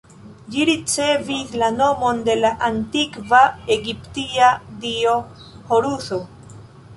Ĝi ricevis la nomon de la antikva egiptia dio Horuso.